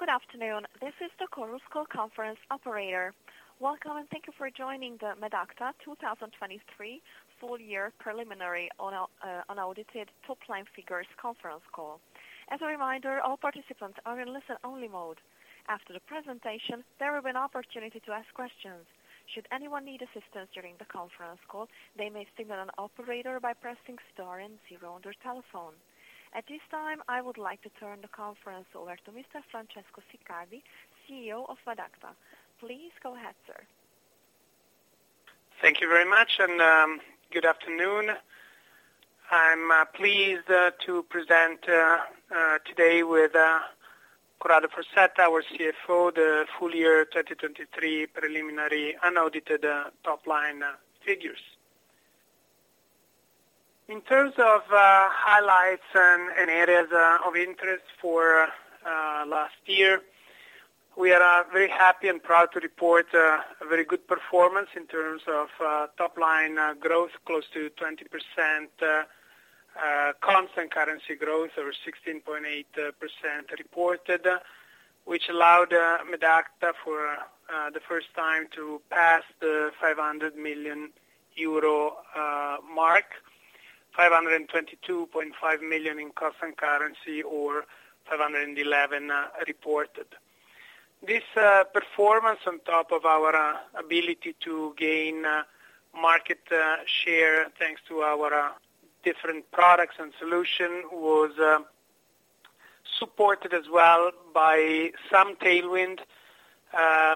Good afternoon, this is the Chorus Call conference operator. Welcome, and thank you for joining the Medacta 2023 full-year preliminary on unaudited top-line figures conference call. As a reminder, all participants are in listen-only mode. After the presentation, there will be an opportunity to ask questions. Should anyone need assistance during the conference call, they may signal an operator by pressing star and zero on their telephone. At this time, I would like to turn the conference over to Mr. Francesco Siccardi, CEO of Medacta. Please go ahead, sir. Thank you very much, and, good afternoon. I'm pleased to present today with Corrado Farsetta, our CFO, the full year 2023 preliminary unaudited top-line figures. In terms of highlights and areas of interest for last year, we are very happy and proud to report a very good performance in terms of top-line growth, close to 20% constant currency growth, over 16.8% reported, which allowed Medacta for the first time to pass the 500 million euro mark, 522.5 million in constant currency, or 711 reported. This performance on top of our ability to gain market share, thanks to our different products and solution, was supported as well by some tailwind,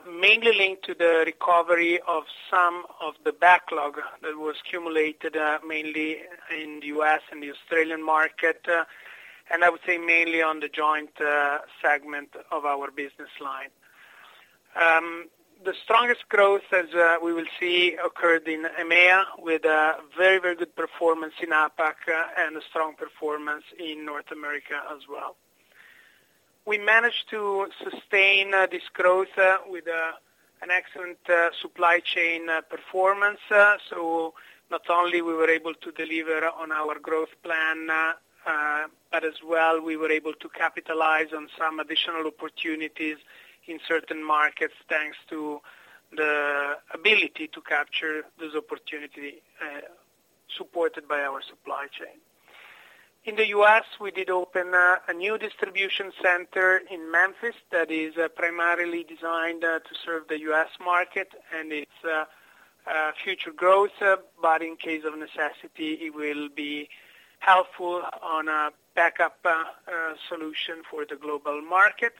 mainly linked to the recovery of some of the backlog that was accumulated, mainly in the U.S. and the Australian market, and I would say mainly on the joint segment of our business line. The strongest growth, as we will see, occurred in EMEA, with a very, very good performance in APAC and a strong performance in North America as well. We managed to sustain this growth with an excellent supply chain performance. So not only we were able to deliver on our growth plan, but as well, we were able to capitalize on some additional opportunities in certain markets, thanks to the ability to capture this opportunity, supported by our supply chain. In the U.S., we did open a new distribution center in Memphis that is primarily designed to serve the U.S. market and its future growth, but in case of necessity, it will be helpful on a backup solution for the global market.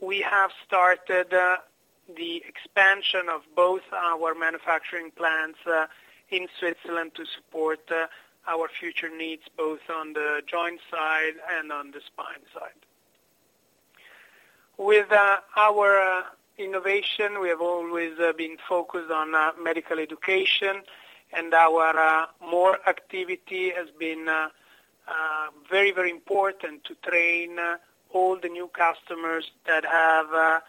We have started the expansion of both our manufacturing plants in Switzerland to support our future needs, both on the joint side and on the spine side. With our innovation, we have always been focused on medical education, and our M.O.R.E. activity has been very, very important to train all the new customers that have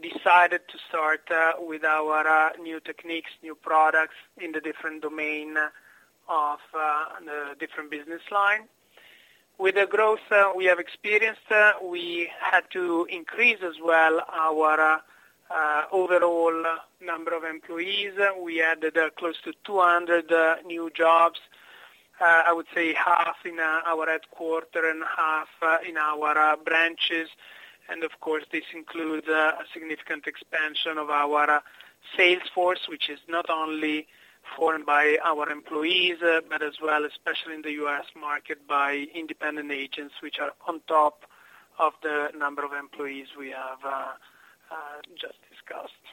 decided to start with our new techniques, new products in the different domain of the different business line. With the growth we have experienced, we had to increase as well our overall number of employees. We added close to 200 new jobs, I would say half in our headquarters and half in our branches. Of course, this includes a significant expansion of our sales force, which is not only formed by our employees, but as well, especially in the U.S. market, by independent agents, which are on top of the number of employees we have just discussed.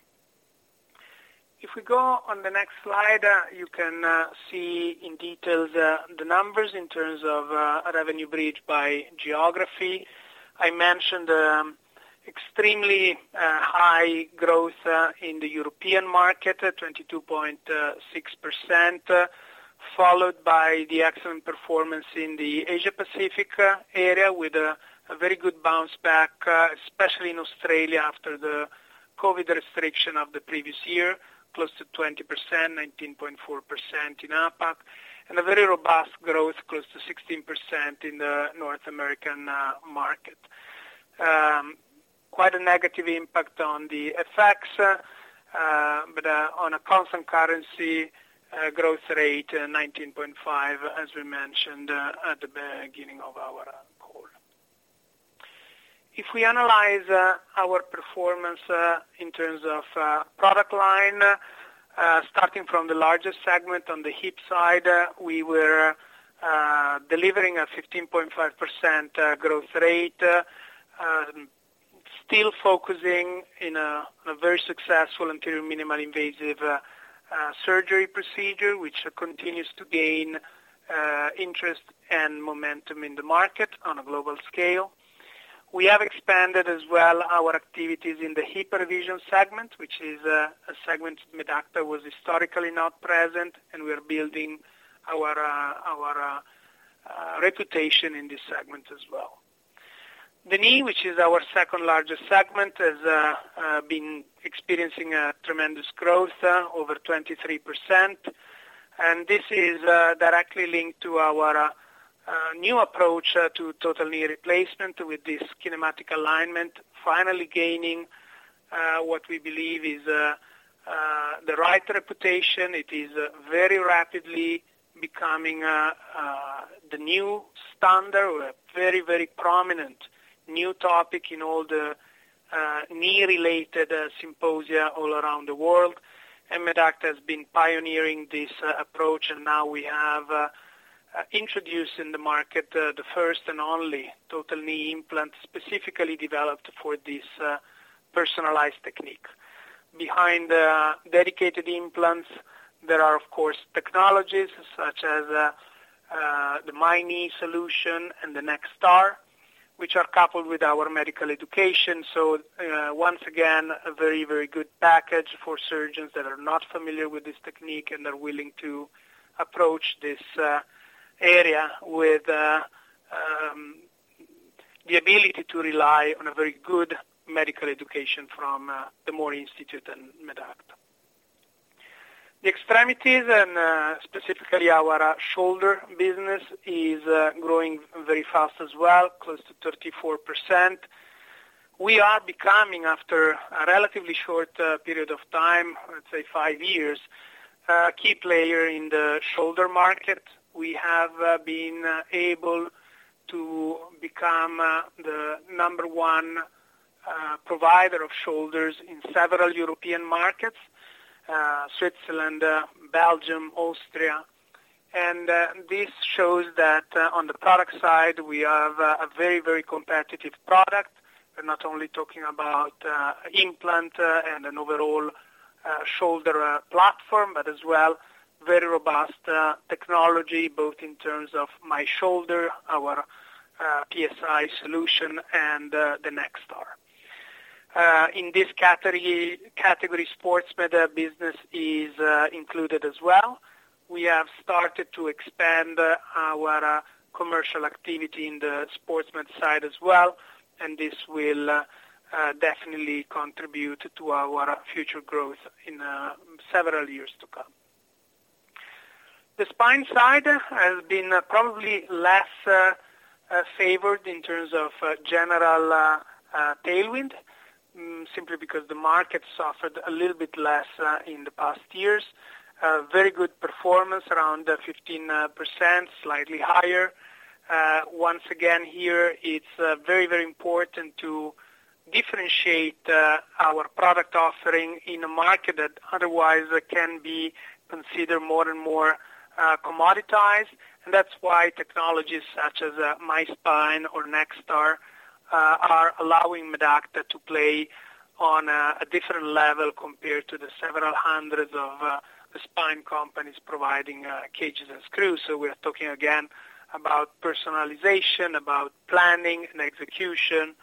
If we go on the next slide, you can see in detail the numbers in terms of revenue bridge by geography. I mentioned extremely high growth in the European market, at 22.6%, followed by the excellent performance in the Asia Pacific area, with a very good bounce back, especially in Australia, after the COVID restriction of the previous year, close to 20%, 19.4% in APAC, and a very robust growth, close to 16% in the North American market. Quite a negative impact on the FX, but on a constant currency growth rate, 19.5%, as we mentioned at the beginning of our call. If we analyze our performance in terms of product line, starting from the largest segment on the hip side, we were delivering a 15.5% growth rate, still focusing in a very successful anterior minimally invasive surgery procedure, which continues to gain interest and momentum in the market on a global scale. We have expanded as well our activities in the hip revision segment, which is a segment Medacta was historically not present, and we are building our reputation in this segment as well. The knee, which is our second-largest segment, has been experiencing a tremendous growth over 23%. This is directly linked to our new approach to total knee replacement with this Kinematic Alignment, finally gaining what we believe is the right reputation. It is very rapidly becoming the new standard, a very, very prominent new topic in all the knee-related symposia all around the world. Medacta has been pioneering this approach, and now we have introduced in the market the first and only total knee implant specifically developed for this personalized technique. Behind the dedicated implants, there are, of course, technologies such as the MyKnee solution and the NextAR, which are coupled with our medical education. Once again, a very, very good package for surgeons that are not familiar with this technique and are willing to approach this area with the ability to rely on a very good medical education from the M.O.R.E. Institute and Medacta. The extremities and specifically our shoulder business is growing very fast as well, close to 34%. We are becoming, after a relatively short period of time, let's say five years, a key player in the shoulder market. We have been able to become the number one provider of shoulders in several European markets, Switzerland, Belgium, Austria. And this shows that on the product side, we have a very, very competitive product. We're not only talking about implant and an overall shoulder platform, but as well, very robust technology, both in terms of MyShoulder, our PSI solution, and the NextAR. In this category, sports med business is included as well. We have started to expand our commercial activity in the sports med side as well, and this will definitely contribute to our future growth in several years to come. The spine side has been probably less favored in terms of general tailwind, simply because the market suffered a little bit less in the past years. Very good performance, around 15%, slightly higher. Once again, here, it's very, very important to differentiate our product offering in a market that otherwise can be considered more and more commoditized. That's why technologies such as My Spine or NextAR are allowing Medacta to play on a different level compared to the several hundreds of spine companies providing cages and screws. So we are talking again about personalization, about planning and execution,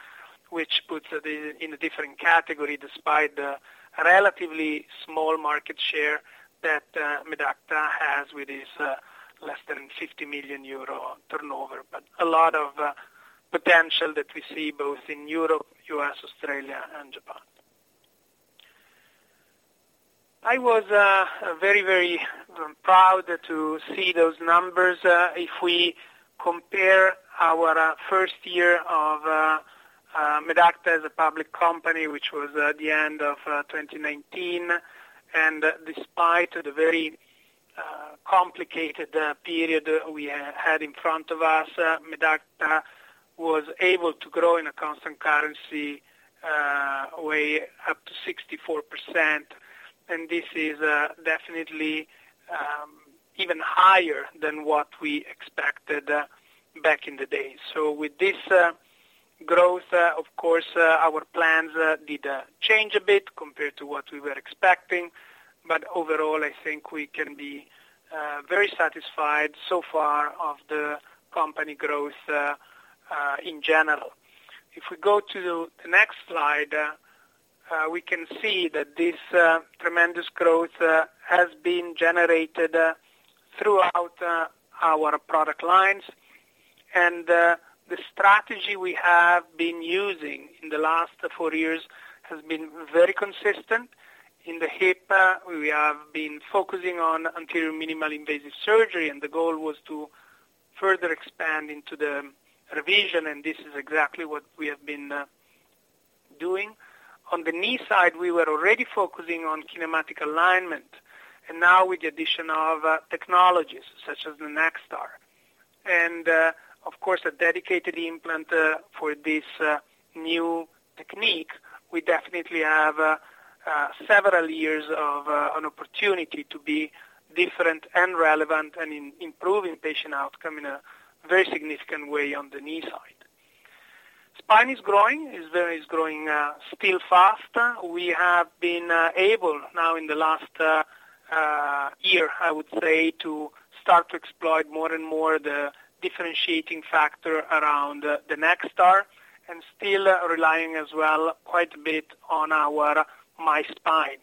which puts it in a different category, despite the relatively small market share that Medacta has with this less than 50 million euro turnover, but a lot of potential that we see both in Europe, U.S., Australia, and Japan. I was very, very proud to see those numbers. If we compare our first year of Medacta as a public company, which was at the end of 2019, and despite the very complicated period we had had in front of us, Medacta was able to grow in a constant currency way up to 64%, and this is definitely even higher than what we expected back in the day. So with this growth, of course, our plans did change a bit compared to what we were expecting, but overall, I think we can be very satisfied so far of the company growth in general. If we go to the next slide, we can see that this tremendous growth has been generated throughout our product lines. The strategy we have been using in the last four years has been very consistent. In the hip, we have been focusing on anterior minimally invasive surgery, and the goal was to further expand into the revision, and this is exactly what we have been doing. On the knee side, we were already focusing on Kinematic Alignment, and now with the addition of technologies such as the NextAR, and of course, a dedicated implant for this new technique, we definitely have several years of an opportunity to be different and relevant and improving patient outcome in a very significant way on the knee side. Spine is growing. It's growing still fast. We have been able now in the last year, I would say, to start to exploit more and more the differentiating factor around the NextAR and still relying as well, quite a bit on our MySpine.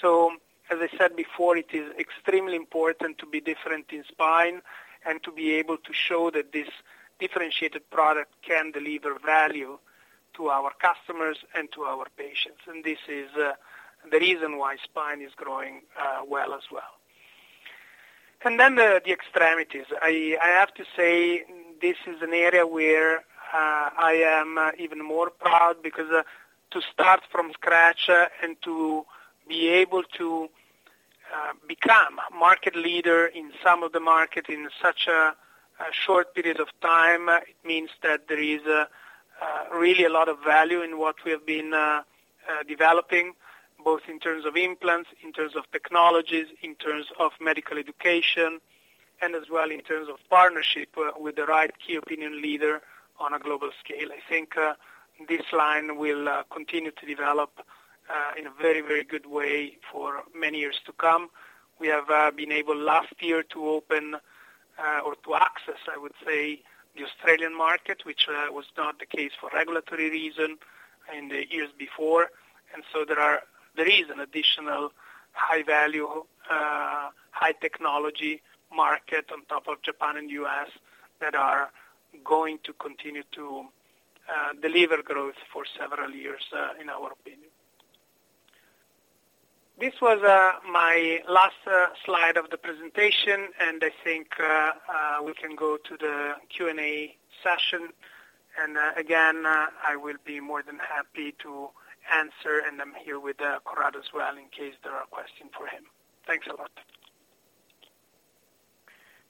So as I said before, it is extremely important to be different in spine and to be able to show that this differentiated product can deliver value to our customers and to our patients, and this is the reason why spine is growing well as well. And then the extremities. I have to say, this is an area where I am even more proud, because to start from scratch and to be able to become a market leader in some of the market in such a short period of time, it means that there is really a lot of value in what we have been developing, both in terms of implants, in terms of technologies, in terms of medical education, and as well in terms of partnership with the right key opinion leader on a global scale. I think this line will continue to develop in a very, very good way for many years to come. We have been able last year to open or to access, I would say, the Australian market, which was not the case for regulatory reason in the years before. And so there is an additional high value high technology market on top of Japan and U.S., that are going to continue to deliver growth for several years in our opinion. This was my last slide of the presentation, and I think we can go to the Q&A session. And again I will be more than happy to answer, and I'm here with Corrado as well, in case there are questions for him. Thanks a lot.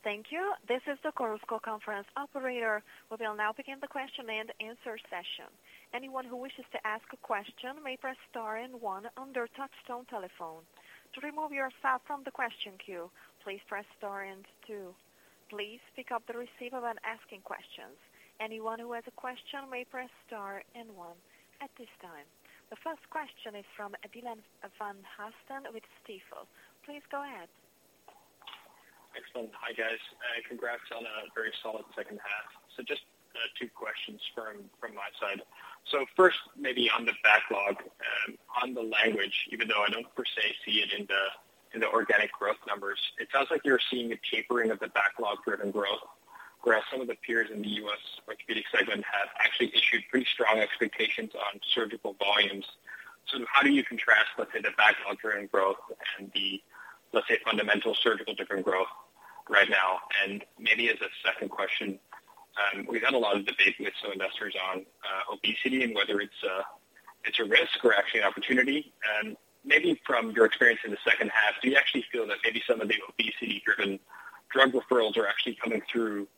Thank you. This is the Chorus Call conference operator. We will now begin the question and answer session. Anyone who wishes to ask a question may press star and one on their touchtone telephone. To remove yourself from the question queue, please press star and two. Please pick up the receiver when asking questions. Anyone who has a question may press star and one at this time. The first question is from Dylan Van Haaften with Stifel. Please go ahead. Excellent. Hi, guys. Congrats on a very solid H2. So just two questions from my side. So first, maybe on the backlog, on the language, even though I don't per se see it in the organic growth numbers, it sounds like you're seeing a tapering of the backlog driven growth, whereas some of the peers in the U.S. orthopedic segment have actually issued pretty strong expectations on surgical volumes. So how do you contrast, let's say, the backlog driven growth and the, let's say, fundamental surgical different growth right now? And maybe as a second question, we've had a lot of debate with some investors on obesity and whether it's a risk or actually an opportunity. Maybe from your experience in the H2, do you actually feel that maybe some of the obesity driven drug referrals are actually coming through?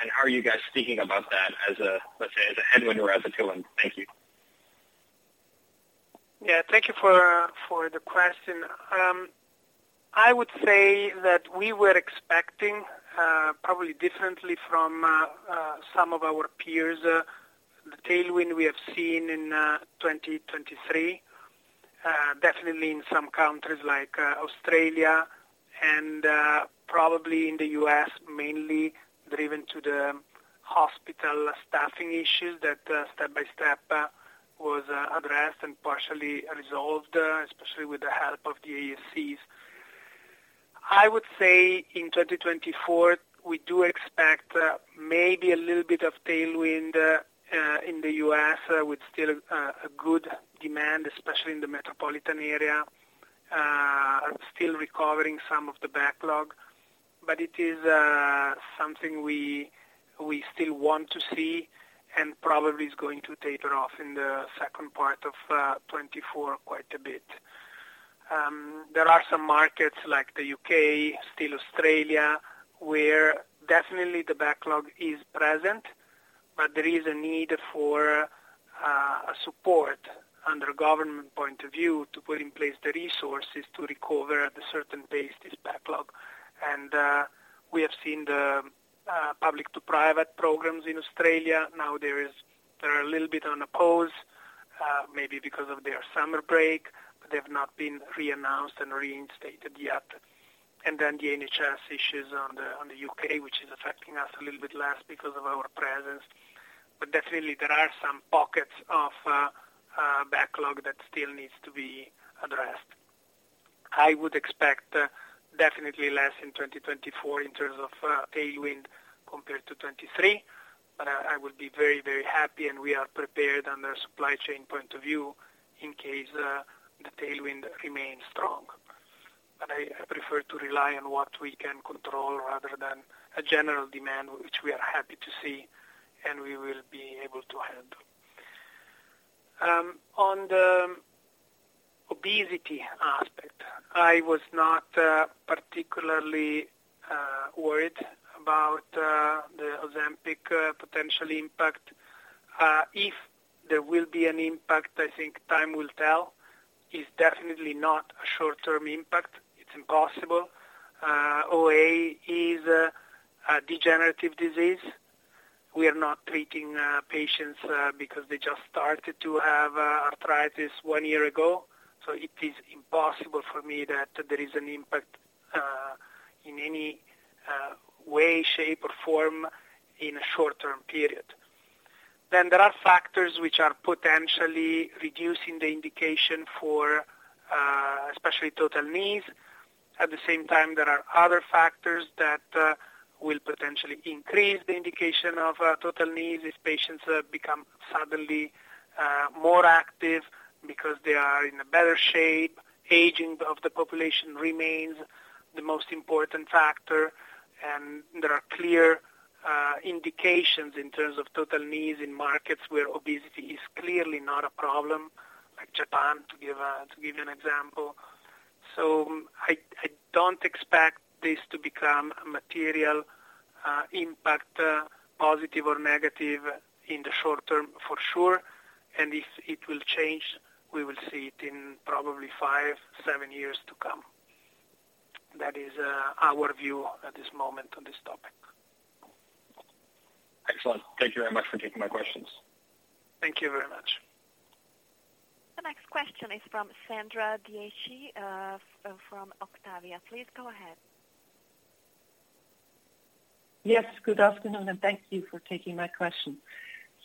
And how are you guys thinking about that as a, let's say, as a headwind or as a tailwind? Thank you. Yeah, thank you for, for the question. I would say that we were expecting, probably differently from, some of our peers, the tailwind we have seen in, 2023. Definitely in some countries like, Australia and, probably in the U.S., mainly driven to the hospital staffing issues that, step by step, was, addressed and partially resolved, especially with the help of the ASCs. I would say in 2024, we do expect, maybe a little bit of tailwind, in the U.S., with still, a good demand, especially in the metropolitan area. Still recovering some of the backlog, but it is, something we, we still want to see, and probably is going to taper off in the second part of, 2024 quite a bit. There are some markets like the U.K., still Australia, where definitely the backlog is present, but there is a need for a support under government point of view, to put in place the resources to recover at a certain pace, this backlog. And we have seen the public to private programs in Australia. Now they're a little bit on a pause, maybe because of their summer break, but they've not been reannounced and reinstated yet. And then the NHS issues on the U.K., which is affecting us a little bit less because of our presence. But definitely there are some pockets of backlog that still needs to be addressed. I would expect definitely less in 2024 in terms of, tailwind compared to 2023, but I, I would be very, very happy, and we are prepared under a supply chain point of view in case, the tailwind remains strong. But I, I prefer to rely on what we can control rather than a general demand, which we are happy to see, and we will be able to handle. On the obesity aspect, I was not, particularly, worried about, the Ozempic, potential impact. If there will be an impact, I think time will tell. It's definitely not a short-term impact. It's impossible. OA is a, a degenerative disease. We are not treating patients because they just started to have arthritis one year ago, so it is impossible for me that there is an impact in any way, shape, or form in a short-term period. Then there are factors which are potentially reducing the indication for especially total knees. At the same time, there are other factors that will potentially increase the indication of total knees if patients become suddenly more active because they are in a better shape. Aging of the population remains the most important factor, and there are clear indications in terms of total knees in markets where obesity is clearly not a problem, like Japan, to give you an example. So I don't expect this to become a material impact, positive or negative in the short term, for sure, and if it will change, we will see it in probably five, seven years to come. That is, our view at this moment on this topic. Excellent. Thank you very much for taking my questions. Thank you very much. The next question is from Sandra Dietschy from Octavian. Please go ahead. Yes, good afternoon, and thank you for taking my question.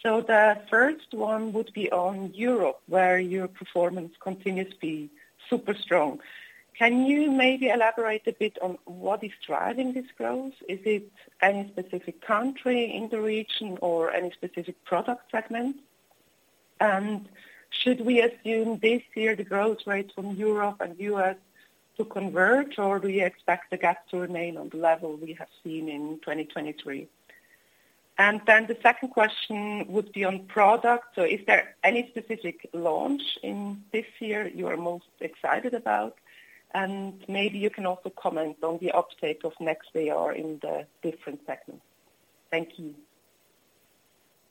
So the first one would be on Europe, where your performance continues to be super strong. Can you maybe elaborate a bit on what is driving this growth? Is it any specific country in the region or any specific product segment? And should we assume this year, the growth rate from Europe and U.S. to converge, or do you expect the gap to remain on the level we have seen in 2023? And then the second question would be on product. So is there any specific launch in this year you are most excited about? And maybe you can also comment on the uptake of NextAR in the different segments. Thank you.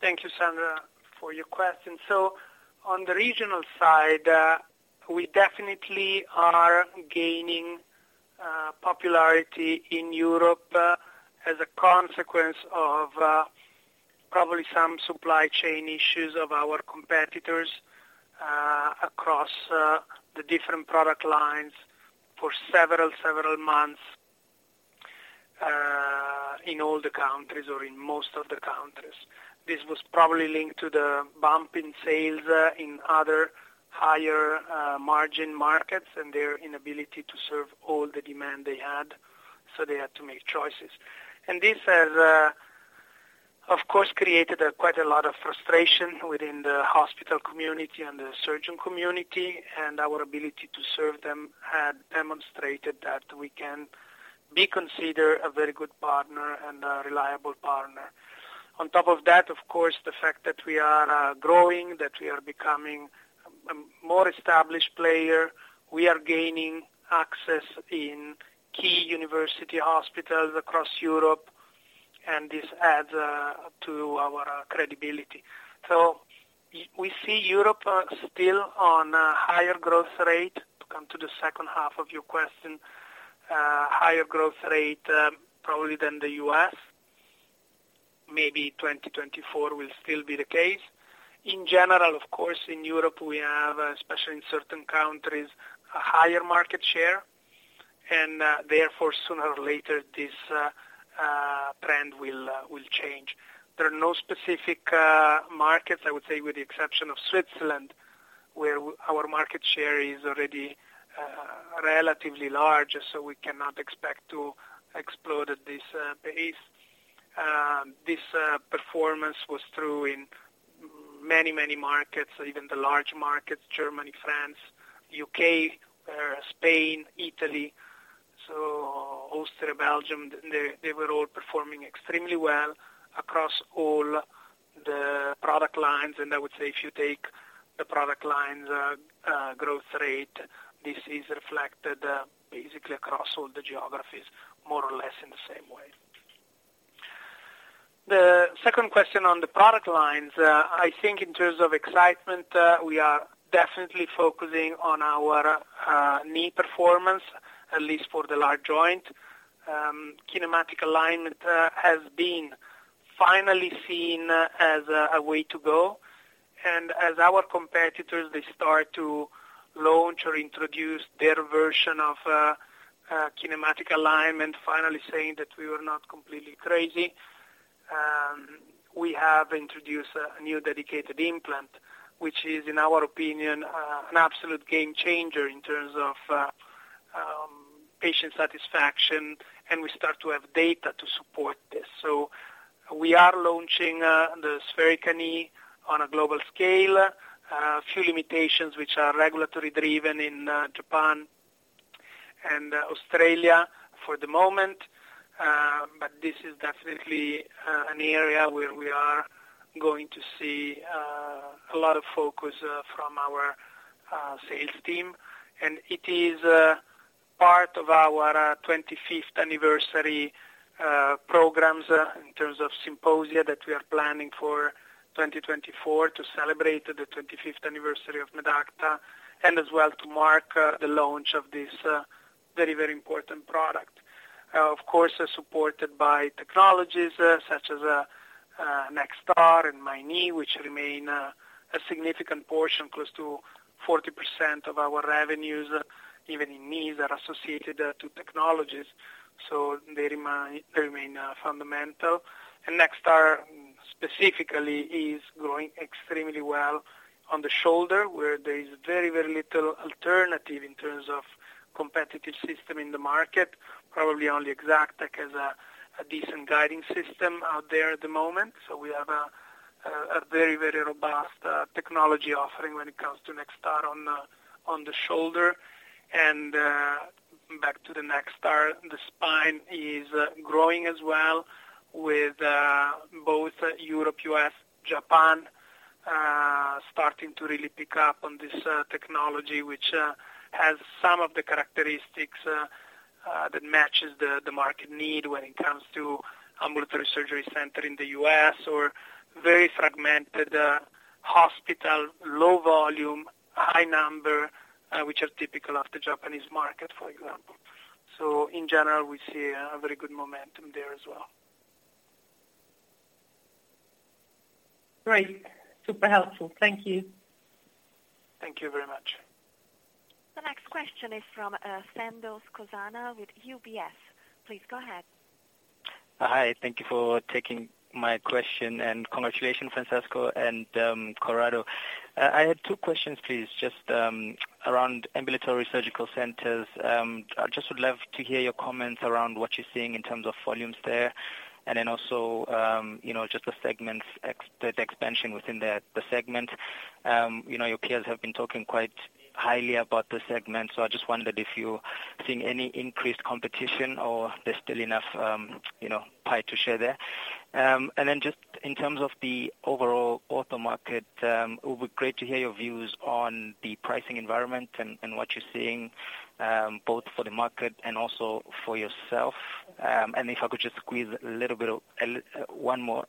Thank you, Sandra, for your question. So on the regional side, we definitely are gaining popularity in Europe as a consequence of probably some supply chain issues of our competitors across the different product lines for several, several months in all the countries or in most of the countries. This was probably linked to the bump in sales in other higher margin markets and their inability to serve all the demand they had, so they had to make choices. This has of course created quite a lot of frustration within the hospital community and the surgeon community, and our ability to serve them had demonstrated that we can be considered a very good partner and a reliable partner. On top of that, of course, the fact that we are growing, that we are becoming a more established player, we are gaining access in key university hospitals across Europe, and this adds to our credibility. So we see Europe still on a higher growth rate. To come to the second half of your question, higher growth rate, probably than the U.S. Maybe 2024 will still be the case. In general, of course, in Europe, we have, especially in certain countries, a higher market share, and therefore, sooner or later, this trend will change. There are no specific markets, I would say, with the exception of Switzerland, where our market share is already relatively large, so we cannot expect to explode at this pace. This performance was true in many, many markets, even the large markets, Germany, France, U.K., Spain, Italy, so Austria, Belgium. They were all performing extremely well across all the product lines. And I would say if you take the product lines growth rate, this is reflected basically across all the geographies, more or less in the same way. The second question on the product lines, I think in terms of excitement, we are definitely focusing on our knee performance, at least for the large joint. Kinematic Alignment has been finally seen as a way to go. And as our competitors, they start to launch or introduce their version of Kinematic Alignment, finally saying that we were not completely crazy. We have introduced a new dedicated implant, which is, in our opinion, an absolute game changer in terms of patient satisfaction, and we start to have data to support this. So we are launching the SpheriKA knee on a global scale. A few limitations which are regulatory driven in Japan and Australia for the moment, but this is definitely an area where we are going to see a lot of focus from our sales team. And it is part of our 25th anniversary programs in terms of symposia that we are planning for 2024 to celebrate the 25th anniversary of Medacta, and as well to mark the launch of this very, very important product. Of course, supported by technologies, such as NextAR and MyKnee, which remain a significant portion, close to 40% of our revenues, even in knees, are associated to technologies. So they remain fundamental. And NextAR specifically is going extremely well on the shoulder, where there is very, very little alternative in terms of competitive system in the market. Probably only Exactech has a very robust technology offering when it comes to NextAR on the shoulder. Back to the NextAR Spine is growing as well with both Europe, U.S., Japan starting to really pick up on this technology, which has some of the characteristics that matches the market need when it comes to ambulatory surgery center in the U.S., or very fragmented hospital, low volume, high number, which are typical of the Japanese market, for example. So in general, we see a very good momentum there as well. Great. Super helpful. Thank you. Thank you very much. The next question is from Thando Skosana with UBS. Please go ahead. Hi, thank you for taking my question, and congratulations, Francesco and Corrado. I had two questions, please, just around ambulatory surgical centers. I just would love to hear your comments around what you're seeing in terms of volumes there. And then also, you know, just the segments, the expansion within the segment. You know, your peers have been talking quite highly about the segment, so I just wondered if you're seeing any increased competition or there's still enough, you know, pie to share there. And then just in terms of the overall ortho market, it would be great to hear your views on the pricing environment and, and what you're seeing, both for the market and also for yourself. And if I could just squeeze a little bit of one more.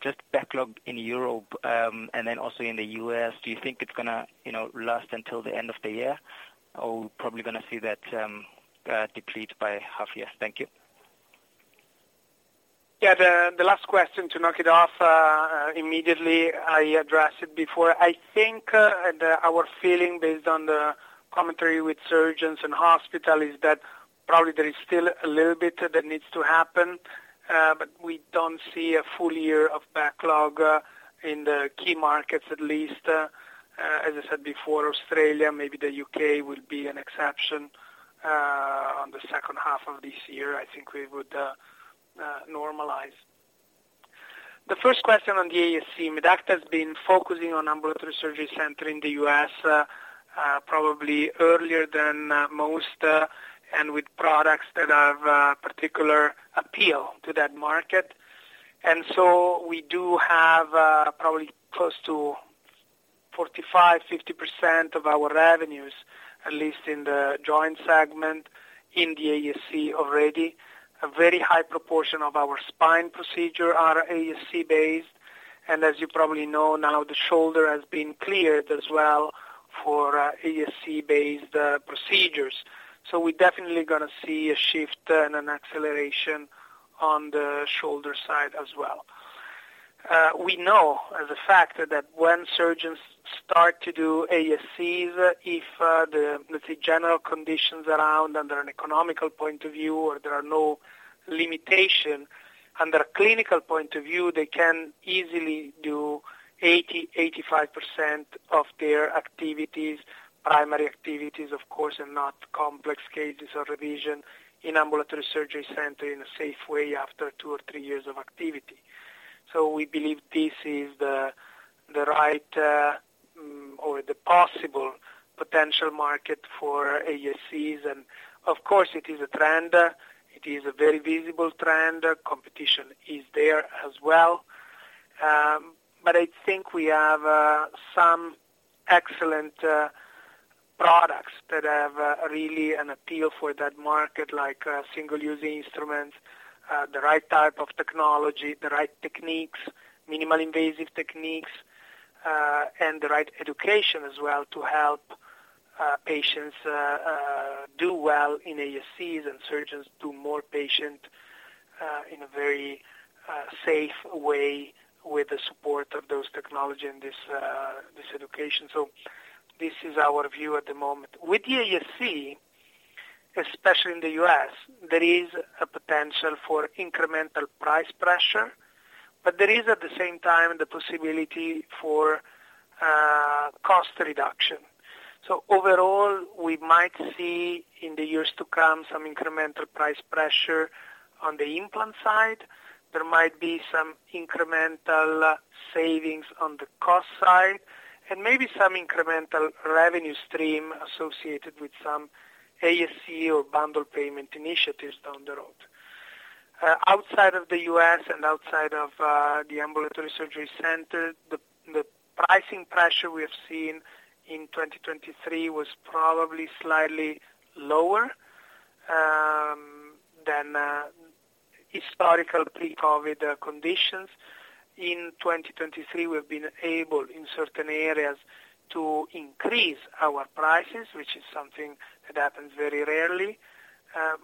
Just backlog in Europe, and then also in the U.S., do you think it's gonna, you know, last until the end of the year, or we're probably gonna see that, deplete by half-year? Thank you. Yeah, the last question, to knock it off, immediately I addressed it before. I think our feeling, based on the commentary with surgeons and hospital, is that probably there is still a little bit that needs to happen, but we don't see a full year of backlog in the key markets at least. As I said before, Australia, maybe the U.K. will be an exception. On the second half of this year, I think we would normalize. The first question on the ASC, Medacta has been focusing on ambulatory surgery center in the U.S., probably earlier than most, and with products that have particular appeal to that market. And so we do have probably close to 45%-50% of our revenues, at least in the joint segment, in the ASC already. A very high proportion of our spine procedure are ASC-based, and as you probably know, now the shoulder has been cleared as well for ASC-based procedures. So we're definitely gonna see a shift and an acceleration on the shoulder side as well. We know as a fact that when surgeons start to do ASCs, if the let's say general conditions around, under an economic point of view, or there are no limitation, under a clinical point of view, they can easily do 80-85% of their activities, primary activities, of course, and not complex cases or revision, in ambulatory surgery center in a safe way after two or three years of activity. So we believe this is the right or the possible potential market for ASCs. Of course, it is a trend. It is a very visible trend. Competition is there as well. But I think we have some excellent products that have really an appeal for that market, like, single-use instruments, the right type of technology, the right techniques, minimally invasive techniques, and the right education as well to help patients do well in ASCs and surgeons do more patient in a very safe way with the support of those technology and this education. So this is our view at the moment. With the ASC, especially in the U.S., there is a potential for incremental price pressure, but there is, at the same time, the possibility for cost reduction. So overall, we might see, in the years to come, some incremental price pressure on the implant side. There might be some incremental savings on the cost side, and maybe some incremental revenue stream associated with some ASC or bundle payment initiatives down the road. Outside of the U.S. and outside of the ambulatory surgery center, the pricing pressure we have seen in 2023 was probably slightly lower than historical pre-COVID conditions. In 2023, we've been able, in certain areas, to increase our prices, which is something that happens very rarely.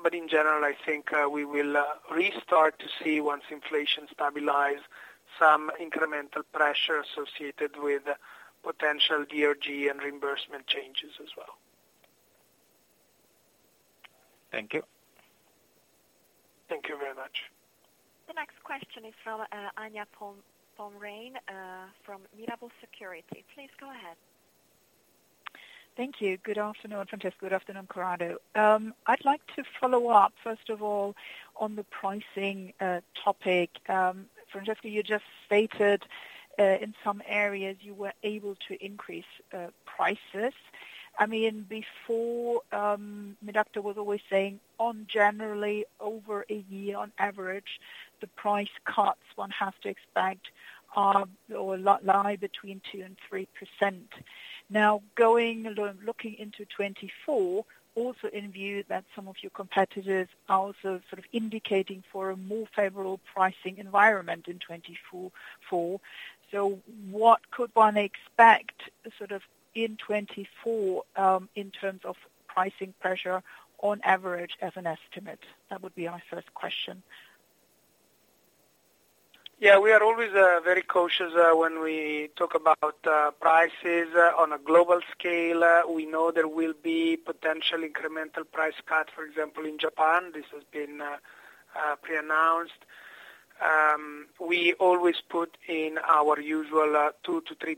But in general, I think we will restart to see, once inflation stabilize, some incremental pressure associated with potential DRG and reimbursement changes as well.. Thank you. Thank you very much. The next question is from Anja Pomrehn from Mirabaud Securities. Please go ahead. Thank you. Good afternoon, Francesco. Good afternoon, Corrado. I'd like to follow up, first of all, on the pricing topic. Francesco, you just stated, in some areas you were able to increase prices. I mean, before, Medacta was always saying, on generally over a year, on average, the price cuts one has to expect lie between 2% and 3%. Now, going, looking into 2024, also in view that some of your competitors are also sort of indicating for a more favorable pricing environment in 2024. So what could one expect, sort of, in 2024, in terms of pricing pressure on average as an estimate? That would be my first question. Yeah, we are always very cautious when we talk about prices on a global scale. We know there will be potential incremental price cut. For example, in Japan, this has been pre-announced. We always put in our usual 2%-3%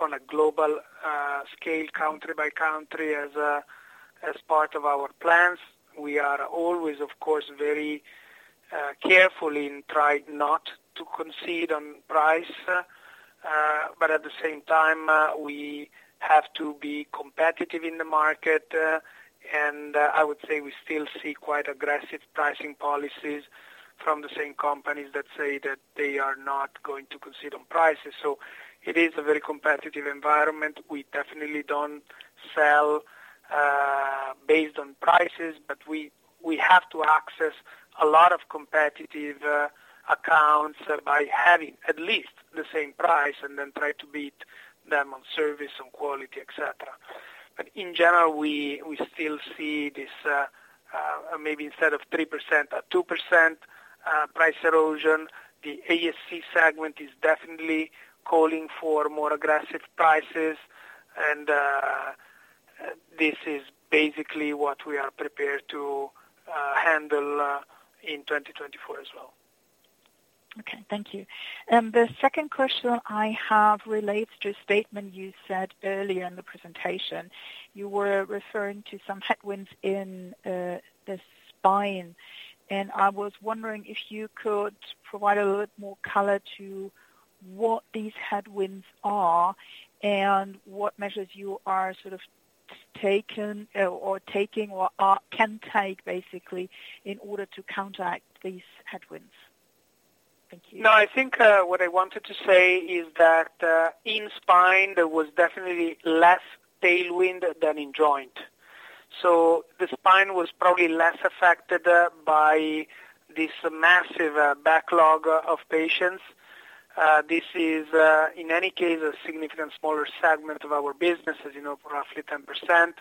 on a global scale, country by country, as part of our plans. We are always, of course, very careful in try not to concede on price, but at the same time, we have to be competitive in the market, and I would say we still see quite aggressive pricing policies from the same companies that say that they are not going to concede on prices. So it is a very competitive environment. We definitely don't sell based on prices, but we have to access a lot of competitive accounts by having at least the same price, and then try to beat them on service, on quality, et cetera. But in general, we still see this, maybe instead of 3%, 2%, price erosion. The ASC segment is definitely calling for more aggressive prices, and this is basically what we are prepared to handle in 2024 as well. Okay, thank you. The second question I have relates to a statement you said earlier in the presentation. You were referring to some headwinds in the spine, and I was wondering if you could provide a little bit more color to what these headwinds are and what measures you are sort of taking or can take, basically, in order to counteract these headwinds. Thank you. No, I think what I wanted to say is that in spine, there was definitely less tailwind than in joint. So the spine was probably less affected by this massive backlog of patients. This is, in any case, a significantly smaller segment of our business, as you know, roughly 10%.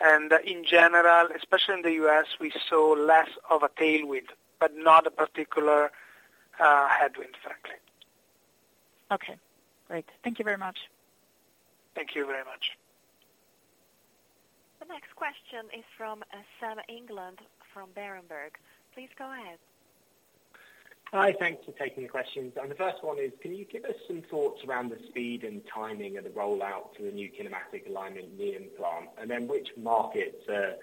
And in general, especially in the U.S., we saw less of a tailwind, but not a particular headwind, frankly. Okay, great. Thank you very much. Thank you very much. The next question is from Sam England, from Berenberg. Please go ahead. Hi, thank you for taking the questions. And the first one is, can you give us some thoughts around the speed and timing of the rollout for the new kinematic alignment knee implant? And then which markets are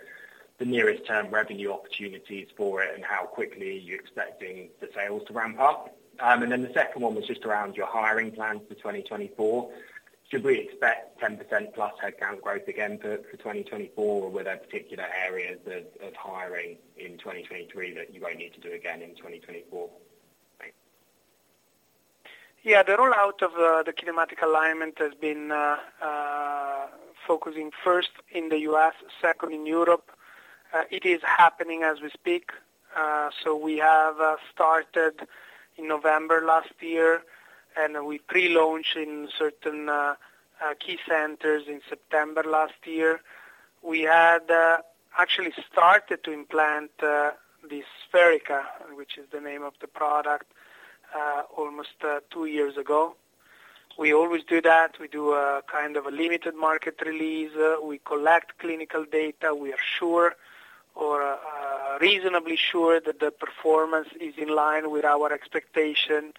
the nearest term revenue opportunities for it, and how quickly are you expecting the sales to ramp up? And then the second one was just around your hiring plans for 2024. Should we expect 10%+ headcount growth again for 2024, or were there particular areas of hiring in 2023 that you won't need to do again in 2024? Thanks. Yeah, the rollout of the Kinematic Alignment has been focusing first in the U.S., second in Europe. It is happening as we speak. So we have started in November last year, and we pre-launched in certain key centers in September last year. We had actually started to implant the SpheriKA, which is the name of the product, almost two years ago. We always do that. We do a kind of a limited market release. We collect clinical data. We are sure or reasonably sure that the performance is in line with our expectation, and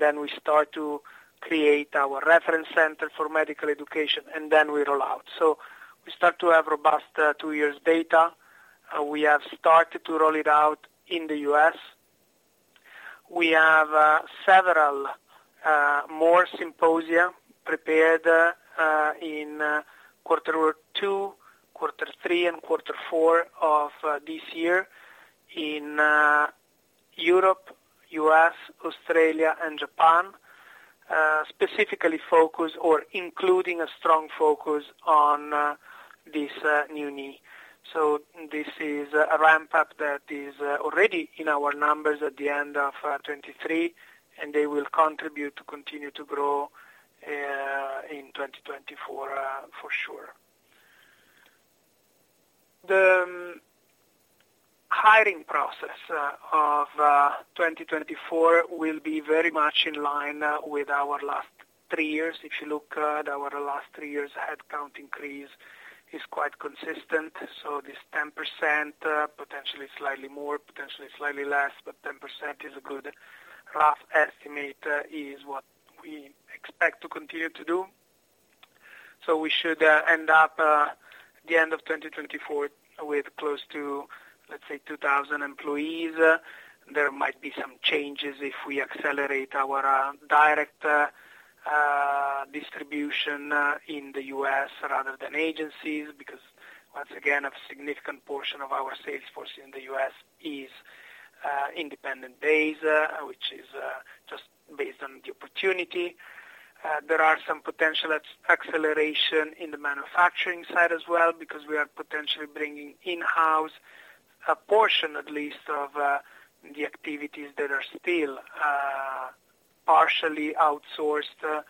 then we start to create our reference center for medical education, and then we roll out. So we start to have robust two years data. We have started to roll it out in the U.S. We have several more symposia prepared in Q2, Q3, and Q4 of this year in Europe, U.S., Australia, and Japan. Specifically focused or including a strong focus on this new knee. So this is a ramp-up that is already in our numbers at the end of 2023, and they will contribute to continue to grow in 2024 for sure. The hiring process of 2024 will be very much in line with our last three years. If you look at our last three years, headcount increase is quite consistent, so this 10%, potentially slightly more, potentially slightly less, but 10% is a good rough estimate, is what we expect to continue to do. So we should end up at the end of 2024 with close to, let's say, 2,000 employees. There might be some changes if we accelerate our direct distribution in the U.S. rather than agencies, because once again, a significant portion of our sales force in the U.S. is independent agents, which is just based on the opportunity. There are some potential acceleration in the manufacturing side as well, because we are potentially bringing in-house a portion, at least, of the activities that are still partially outsourced,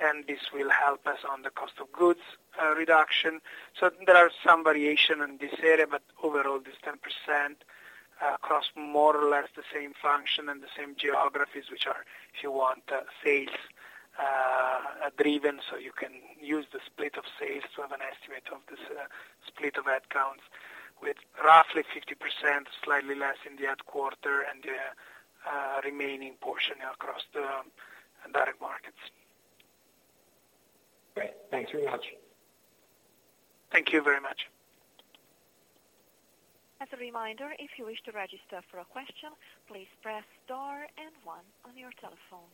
and this will help us on the cost of goods reduction. So there are some variation in this area, but overall, this 10%, across more or less the same function and the same geographies, which are, if you want, sales driven, so you can use the split of sales to have an estimate of this, split of headcounts, with roughly 50%, slightly less in the headquarters, and the remaining portion across the direct markets. Great. Thanks very much. Thank you very much. As a reminder, if you wish to register for a question, please press star and one on your telephone.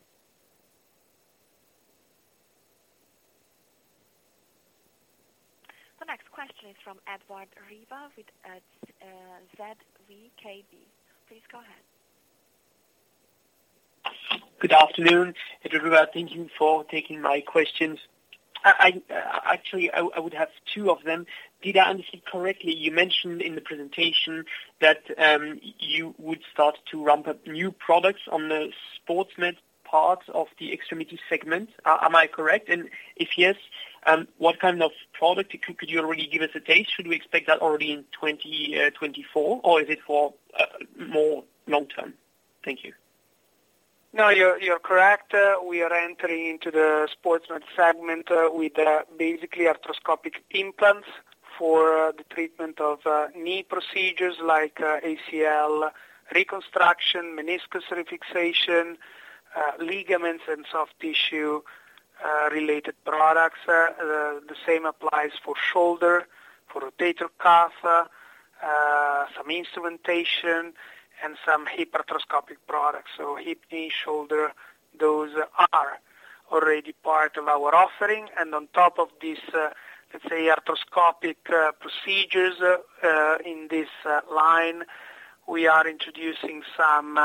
The next question is from Edouard Riva with ZKB. Please go ahead. Good afternoon, everyone. Thank you for taking my questions. Actually, I would have two of them. Did I understand correctly, you mentioned in the presentation that you would start to ramp up new products on the sports med part of the extremity segment. Am I correct? And if yes, what kind of product could you already give us a date? Should we expect that already in 2024, or is it for more long term? Thank you. No, you're correct. We are entering into the sports med segment with basically arthroscopic implants for the treatment of knee procedures like ACL reconstruction, meniscus refixation, ligaments, and soft tissue related products. The same applies for shoulder, for rotator cuff, some instrumentation and some hip arthroscopic products. So hip, knee, shoulder, those are already part of our offering, and on top of this, let's say, arthroscopic procedures in this line, we are introducing some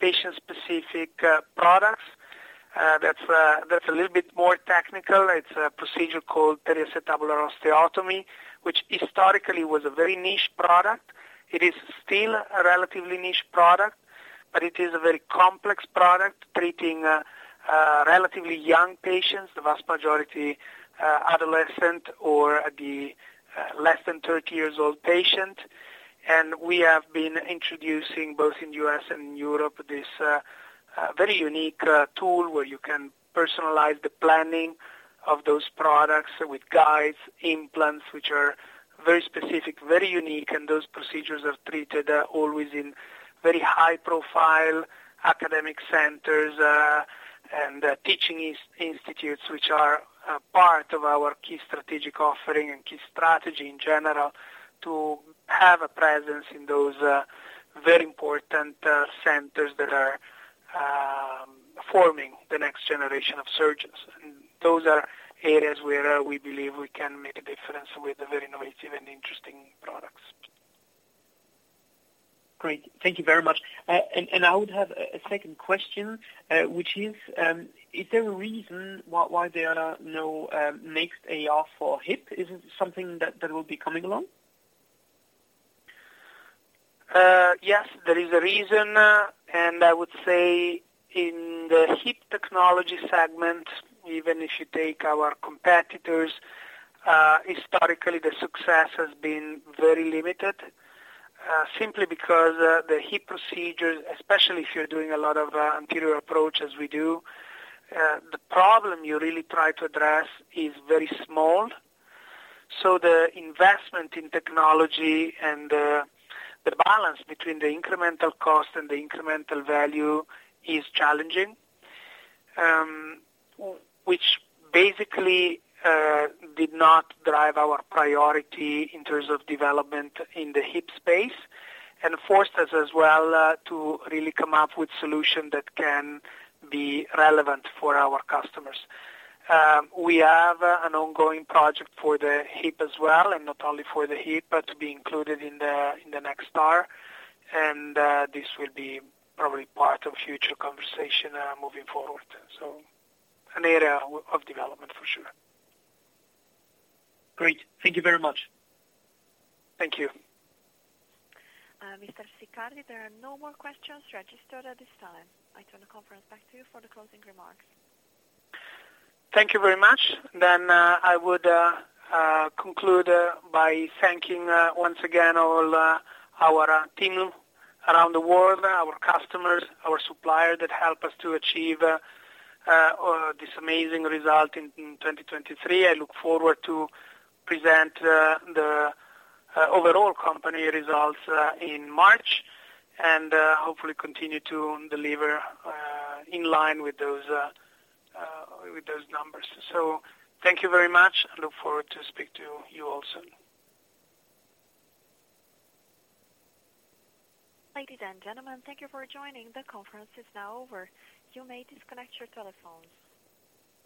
patient-specific products. That's a little bit more technical. It's a procedure called periacetabular osteotomy, which historically was a very niche product. It is still a relatively niche product, but it is a very complex product, treating relatively young patients, the vast majority adolescent or the less than thirty years old patient. We have been introducing, both in U.S. and Europe, this very unique tool, where you can personalize the planning of those products with guides, implants, which are very specific, very unique, and those procedures are treated always in very high-profile academic centers and teaching institutes, which are a part of our key strategic offering and key strategy in general, to have a presence in those very important centers that are forming the next generation of surgeons. Those are areas where we believe we can make a difference with very innovative and interesting products. Great. Thank you very much. I would have a second question, which is, is there a reason why there are no NextAR for hip? Is it something that will be coming along? Yes, there is a reason, and I would say in the hip technology segment, even if you take our competitors, historically, the success has been very limited, simply because the hip procedures, especially if you're doing a lot of anterior approach as we do, the problem you really try to address is very small. So the investment in technology and the balance between the incremental cost and the incremental value is challenging, which basically did not drive our priority in terms of development in the hip space and forced us as well to really come up with solution that can be relevant for our customers. We have an ongoing project for the hip as well, and not only for the hip, but to be included in the NextAR, and this will be probably part of future conversation, moving forward. So an area of development for sure. Great. Thank you very much. Thank you. Mr. Siccardi, there are no more questions registered at this time. I turn the conference back to you for the closing remarks. Thank you very much. Then, I would conclude by thanking once again all our team around the world, our customers, our suppliers, that help us to achieve this amazing result in 2023. I look forward to present the overall company results in March, and hopefully continue to deliver in line with those numbers. So thank you very much. I look forward to speak to you all soon. Ladies and gentlemen, thank you for joining. The conference is now over. You may disconnect your telephones.